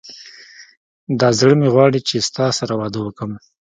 دا زړه مي غواړي چي ستا سره واده وکم